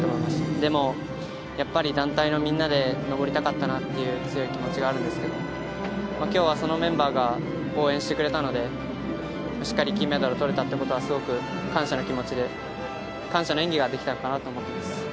でも、やっぱり団体のみんなで上りたかったなっていう強い気持ちがあるんですけど、きょうはそのメンバーが応援してくれたので、しっかり金メダルとれたってことは、すごく感謝の気持ちで、感謝の演技ができたのかなって思ってます。